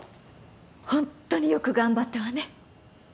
ホントによく頑張ったわね。